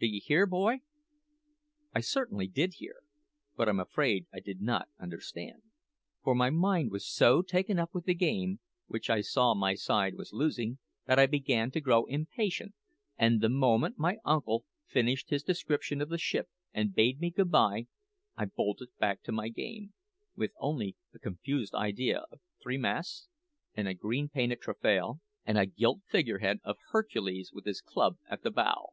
D'ye hear, boy?' I certainly did hear, but I'm afraid I did not understand; for my mind was so taken up with the game, which I saw my side was losing, that I began to grow impatient, and the moment my uncle finished his description of the ship and bade me good bye I bolted back to my game, with only a confused idea of three masts, and a green painted taffrail, and a gilt figurehead of Hercules with his club at the bow.